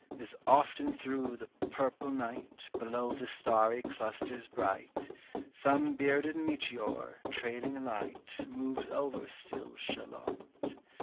95 As often thro' the purple night, Below the starry clusters bright, Some bearded meteor, trailing light, Moves over still Shalott.